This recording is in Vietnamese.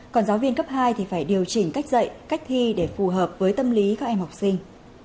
còn giáo viên cấp hai thì phải điều chỉnh cách dạy cách thi để phù hợp với tâm lý các em học sinh